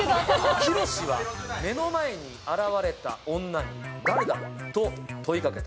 ヒロシは目の前に現れた女に、誰だと問いかけた。